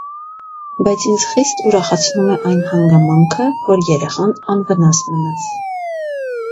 Բայց ինձ խիստ ուրախացնում է այն հանգամանքը, որ երեխան անվնաս մնաց: